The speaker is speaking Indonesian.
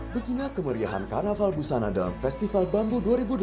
begini kemeriahan karnaval busana dalam festival bambu dua ribu delapan belas